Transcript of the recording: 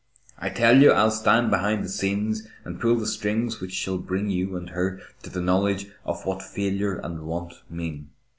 I tell you I'll stand behind the scenes and pull the strings which shall bring you and her to the knowledge of what failure and want mean.